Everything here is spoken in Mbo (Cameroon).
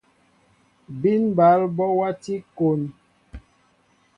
Bín ɓal ɓɔ wati kón.